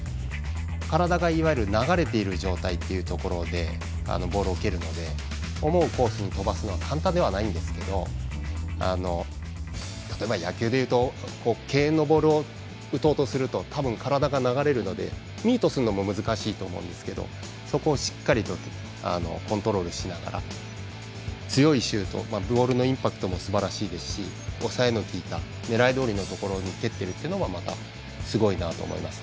体が、いわゆる流れている状態というところでボールを蹴るので思うコースに飛ばすのは簡単ではないんですけどたとえば野球で言うと敬遠のボールを打とうとすると多分、体が流れるのでミートするのも難しいと思うんですけどそこをしっかりとコントロールしながら強いシュートボールのインパクトもすばらしいですし抑えのきいた狙いどおりのところに蹴ってるというのがまたすごいなと思います。